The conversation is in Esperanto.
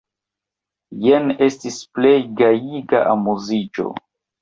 Jen estis plej gajiga amuziĝo!